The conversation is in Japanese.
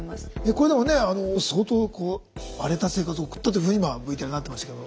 これでもね相当荒れた生活を送ったというふうに今ＶＴＲではなってましたけど。